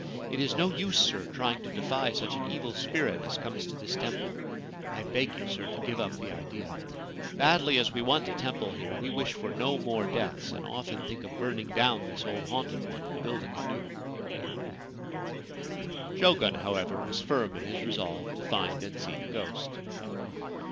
It is no use, sir, trying to defy such an evil spirit as comes to this temple. I beg you, sir, to give up the idea. Badly as we want a temple here, we wish for no more deaths, and often think of burning down this old haunted one and building a new/ 37 Ancient Tales and Folklore of Japan Jogen, however, was firm in his resolve to find and see the ghost.